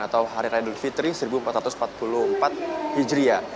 atau hari raya idul fitri seribu empat ratus empat puluh empat hijriah